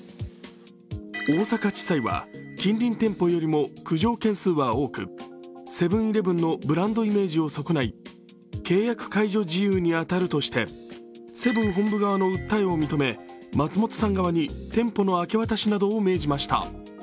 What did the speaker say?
大阪地裁は、近隣店舗よりも苦情件数は多く、セブン−イレブンのブランドイメージを損ない契約解除事由に当たるとしてセブン本部側の訴えを認め、松本さん側に店舗の明け渡しなどを命じました。